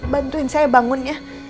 bantuin saya bangun ya